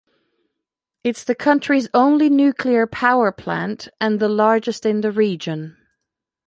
It is the country's only nuclear power plant and the largest in the region.